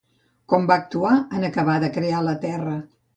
Com va actuar en acabar de crear la Terra?